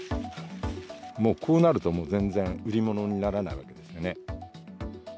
もうこうなると、もう全然売り物にならないわけですよね。